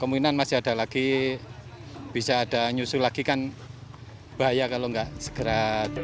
kemungkinan masih ada lagi bisa ada nyusul lagi kan bahaya kalau nggak segera